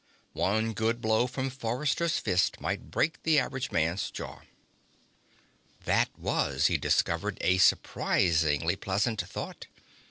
One good blow from Forrester's fist might break the average man's jaw. That was, he discovered, a surprisingly pleasant thought.